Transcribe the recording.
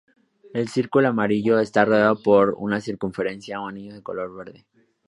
El círculo amarillo está rodeado por una circunferencia o anillo de color verde.